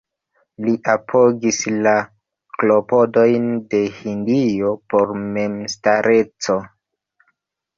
Li apogis la klopodojn de Hindio por memstareco.